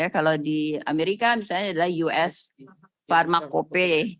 kalau di amerika misalnya adalah us pharmacope